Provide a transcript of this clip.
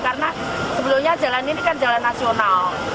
karena sebelumnya jalan ini kan jalan nasional